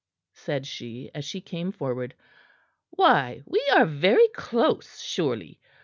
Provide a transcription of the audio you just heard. said she, as she came forward. "Why, we are very close, surely!